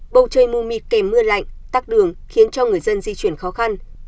bầu trời mù mịt kèm mưa lạnh tắc đường khiến cho người dân di chuyển khó khăn